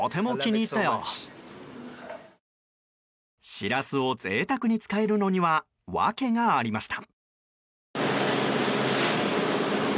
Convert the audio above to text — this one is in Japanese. シラスを贅沢に使えるのには訳がありました。